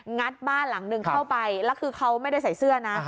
งัดบ้านหลังนึงเข้าไปแล้วคือเขาไม่ได้ใส่เสื้อนะ